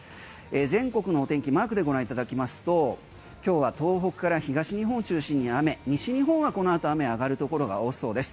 全国のお天気マークでご覧いただきますと今日は東北から東日本を中心に雨西日本はこのあと雨上がるところが多そうです。